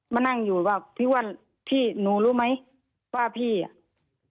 มานั่งอยู่ว่าพี่อ้วนพี่หนูรู้ไหมว่าพี่อ่ะ